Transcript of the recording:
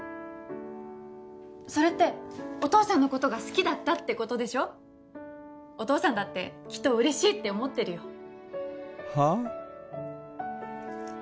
それってお父さんのことが好きだったってことでしょお父さんだってきっと嬉しいって思ってるよはっ？